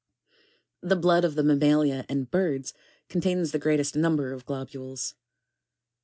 25. The blood of the mammalia and birds contains the greatest number of globules.